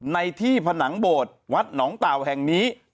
ในที่ผนังโบสถ์วัดหนองเต่าแห่งนี้